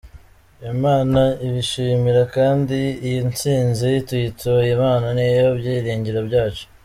Imana ibishimire kdi iyi tsinzi tuyituye Imana niyo byiringiro byacu.